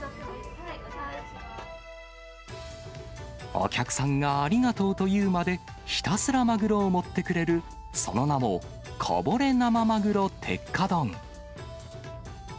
お客さんがありがとうと言うまで、ひたすらマグロを盛ってくれる、その名も、こぼれ生鮪鉄火丼。